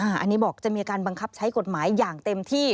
อันนี้บอกจะมีการบังคับใช้กฎหมายอย่างเต็มที่